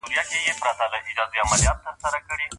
حرامي ويناوي د انسان اخلاق خرابوي؟